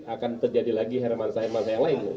akan terjadi lagi herman saiman yang lain